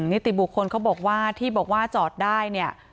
นิติบุคคลเขาบอกว่าที่บอกว่าจอดได้เนี่ย